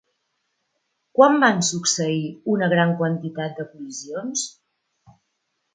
Quan van succeir una gran quantitat de col·lisions?